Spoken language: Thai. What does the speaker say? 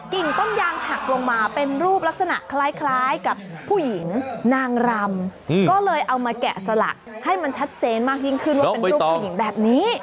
ต้นยางหักลงมาเป็นรูปลักษณะคล้ายกับผู้หญิงนางรำก็เลยเอามาแกะสลักให้มันชัดเจนมากยิ่งขึ้นว่าเป็นรูปผู้หญิงแบบนี้